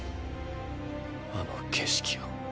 あの景色を。